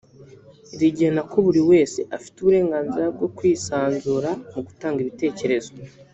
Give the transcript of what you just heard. rigena ko buri wese afite uburenganzira bwo kwisanzura mu gutanga ibitekerezo